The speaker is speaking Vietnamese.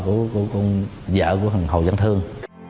của con vợ của hồ văn thương